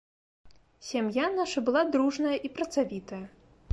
Сям'я наша была дружная і працавітая.